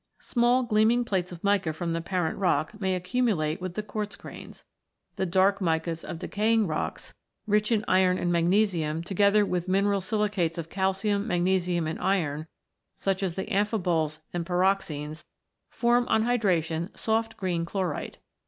Small gleaming plates of mica from the parent rock may accumulate with the quartz grains. The dark micas of decaying rocks, rich in iron and 58 ROCKS AND THEIR ORIGINS [OH. magnesium, together with mineral silicates of calcium, magnesium, and iron, such as the amphiboles and pyroxenes, form on hydration soft green chlorite.